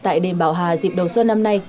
tại đền bảo hà dịp đầu xuân năm nay